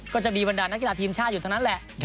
ก็จะมีบรรดานักกีฬาทีมชาติอยู่เท่านั้นแหละ